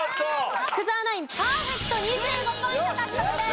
福澤ナインパーフェクト２５ポイント獲得です。